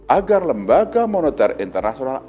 agar lembaga moneter internasional